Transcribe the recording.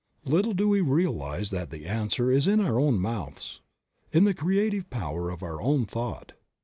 Little do we realize that the answer is in our own mouths, in the creative power of our own thought.